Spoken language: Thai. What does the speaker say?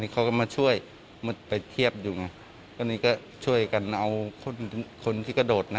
เขาก็มาช่วยไปเทียบอยู่ไงก็นี่ก็ช่วยกันเอาคนคนที่กระโดดนะ